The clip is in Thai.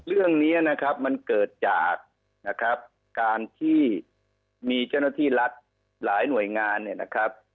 เรื่องนี้นะครับมันเกิดจากนะครับการที่มีเจ้าหน้าที่รัฐหลายหน่วยงานเนี่ยนะครับ